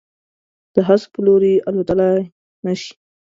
د هسک په لوري، الوتللای نه شي